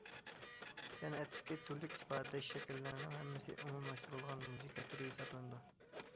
سەنئەتتىكى تۈرلۈك ئىپادىلەش شەكىللىرىنىڭ ھەممىسى ئومۇملاشتۇرۇلغان مۇزىكا تۈرى ھېسابلىنىدۇ.